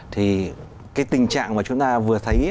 thì cái tình trạng mà chúng ta vừa thấy